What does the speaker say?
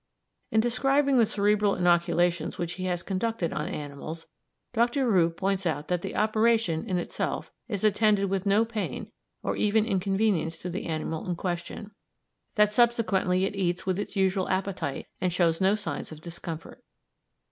In describing the cerebral inoculations which he has conducted on animals, Dr. Roux points out that the operation, in itself, is attended with no pain or even inconvenience to the animal in question, that subsequently it eats with its usual appetite, and shows no signs of discomfort.